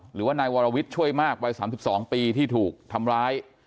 หรือว่านายวรวิทย์ช่วยมากวัย๓๒ปีที่ถูกทำร้าย